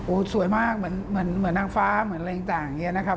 สวยมากเหมือนนางฟ้าเหมือนอะไรต่างอย่างนี้นะครับ